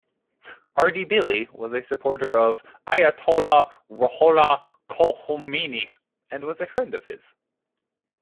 Ardebili was a supporter of Ayatollah Ruhollah Khomeini and was a friend of his.